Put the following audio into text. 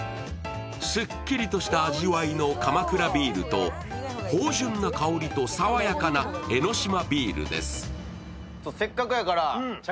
すっきりとした味わいの鎌倉ビールと芳醇な香りとさわやかな江の島ビールです。